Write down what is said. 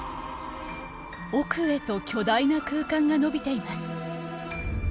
奥へと巨大な空間がのびています。